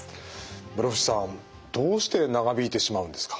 室伏さんどうして長引いてしまうんですか？